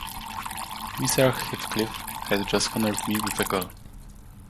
Mr. Heathcliff has just honoured me with a call.